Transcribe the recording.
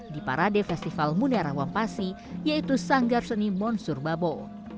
di parade festival munara wampasi yaitu sanggar seni monsur babo